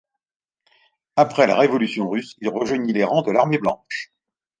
Après la Révolution russe il rejoignit les rangs de l'Armée Blanche.